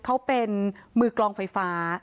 เขาเป็นมือกลองไฟฟ้า